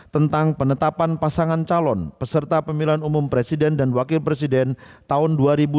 tentang penetapan pasangan calon peserta pemilihan umum presiden dan wakil presiden tahun dua ribu sembilan belas